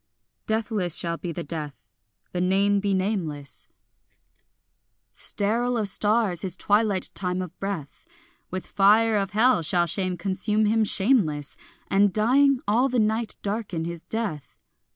Deathless shall be the death, the name be nameless; Sterile of stars his twilight time of breath; With fire of hell shall shame consume him shameless, And dying, all the night darken his death.